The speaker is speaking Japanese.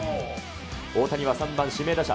大谷は３番指名打者。